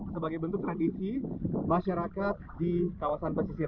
sebagai bentuk tradisi masyarakat di kawasan pesisir